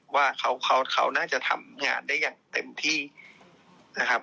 ว่าเขาน่าจะทำงานได้อย่างเต็มที่นะครับ